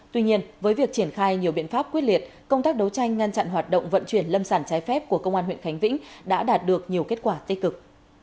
tuy nhiên với việc triển khai nhiều biện pháp quyết liệt công tác đấu tranh ngăn chặn hoạt động vận chuyển lâm sản trái phép của công an huyện khánh vĩnh đã đạt được nhiều kết quả tích cực